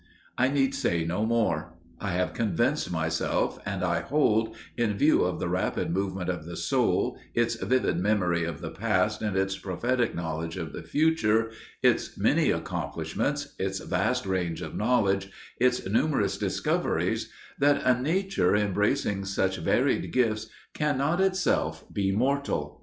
I need say no more. I have convinced myself, and I hold in view of the rapid movement of the soul, its vivid memory of the past and its prophetic knowledge of the future, its many accomplishments, its vast range of knowledge, its numerous discoveries that a nature embracing such varied gifts cannot itself be mortal.